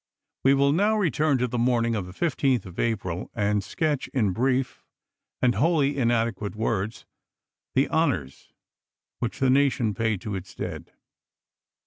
We will now 1865. return to the morning of the 15th of April and sketch, in brief and wholly inadequate words, the honors which the nation paid to its dead.